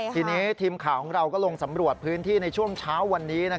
ทีนี้ทีมข่าวของเราก็ลงสำรวจพื้นที่ในช่วงเช้าวันนี้